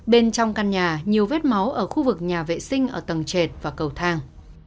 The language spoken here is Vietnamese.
bên trong căn nhà nhiều vết máu ở khu vực nhà vệ sinh ở tầng trệt và cầu thang